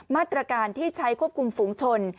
มาตรการที่ใช้ควบคุมฝูงชน